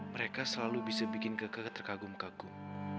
mereka selalu bisa bikin kakak terkagum kagum